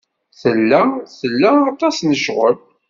Tella tla aṭas n ccɣel.